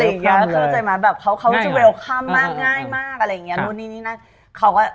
เอาสิมาแบบเขาจะสวัสดีมาก